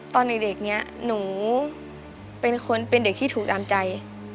ตอนเด็กนี้หนูเป็นคนเป็นเด็กที่ถูกตามใจ